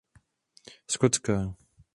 Skotská.